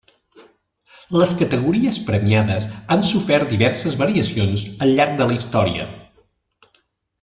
Les categories premiades han sofert diverses variacions al llarg de la història.